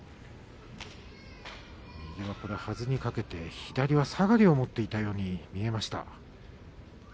右は、はずにかけて左は下がりを持っていたように見えました。